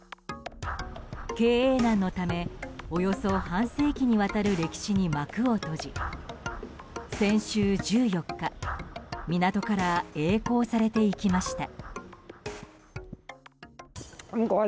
経営難のためおよそ半世紀にわたる歴史に幕を閉じ先週１４日港から曳航されていきました。